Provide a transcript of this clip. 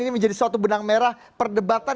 ini menjadi suatu benang merah perdebatan